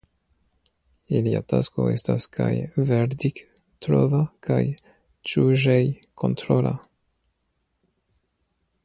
Ilia tasko estas kaj verdikttrova kaj juĝejkontrola.